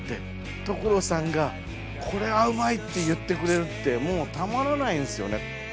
所さんが「これはうまい！」って言ってくれるってもうたまらないですよね。